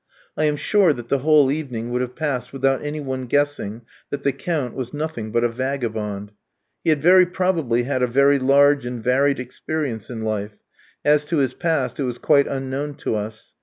I am sure that the whole evening would have passed without any one guessing that the "Count" was nothing but a vagabond. He had very probably had a very large and varied experience in life; as to his past, it was quite unknown to us.